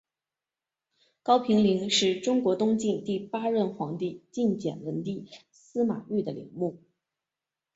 高平陵是中国东晋第八任皇帝晋简文帝司马昱的陵墓。